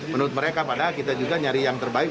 menurut mereka padahal kita juga nyari yang terbaik